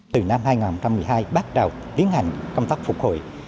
từ năm hai nghìn một mươi hai bắt đầu tiến hành công tác phục hồi